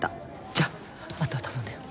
じゃああとは頼んだよ。